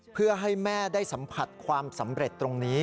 เพื่อให้แม่ได้สัมผัสความสำเร็จตรงนี้